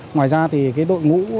ngoài ra thì đội ngũ